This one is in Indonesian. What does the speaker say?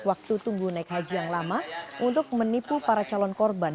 waktu tunggu naik haji yang lama untuk menipu para calon korban